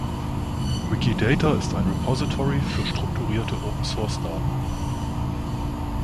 Wikidata ist ein Repository für strukturierte Open-Source-Daten.